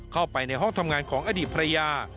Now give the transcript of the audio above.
เข้าไปในห้องทำงานของอดีตภรรยา